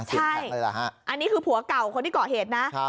ใช่อันนี้คือผัวเก่าคนที่เกาะเหตุนะ